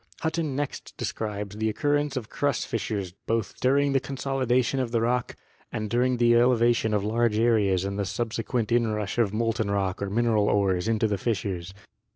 Hutton next describes the occur rence of crust fissures both during the consolidation of the rock and during the elevation of large areas and the sub sequent inrush of molten rock or mineral ores into the fissures.